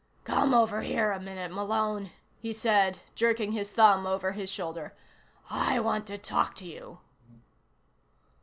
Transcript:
"Come over here a minute, Malone," he said, jerking his thumb over his shoulder. "I want to talk to you."